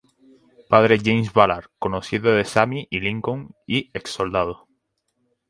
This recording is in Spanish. Padre James Ballard: Conocido de Sammy y Lincoln y ex-soldado.